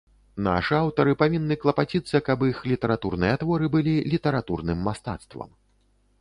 Нашы аўтары павінны клапаціцца, каб іх літаратурныя творы былі літаратурным мастацтвам.